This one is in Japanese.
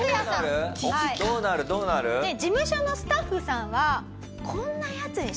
事務所のスタッフさんは。